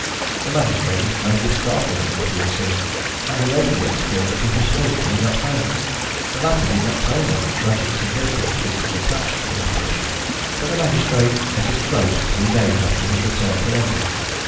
The magistrate was greatly startled at what he had seen, and related the experience to his host when he got home. The latter did not tell him of the tragic significance which was attached to the apparition, but the magistrate cut his throat three days after his return to London.